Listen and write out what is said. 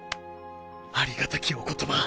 ありがたきお言葉。